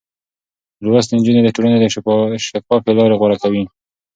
لوستې نجونې د ټولنې شفافې لارې غوره کوي.